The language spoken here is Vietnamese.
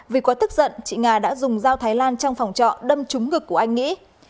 vì quá tức giận chị nga đã dùng dao thái lan trong phòng trọ đâm trúng ngực của anh nghĩ